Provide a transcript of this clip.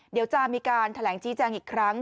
เดี๋ยวจะมีการแถลงชี้แจงอีกครั้ง